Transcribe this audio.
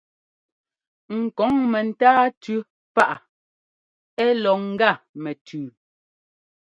Ŋ kɔŋ mɛntáa tʉ́ paʼ ɛ́ lɔ ŋ́gá mɛtʉʉ.